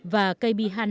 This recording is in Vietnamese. và tập đoàn tài chính hana